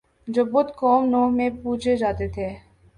جو بت قوم نوح میں پوجے جاتے تھے